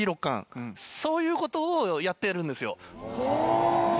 そういうことをやってるんですよ。